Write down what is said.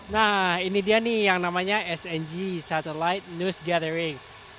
nah ini dia nih yang namanya sng satelit news gathering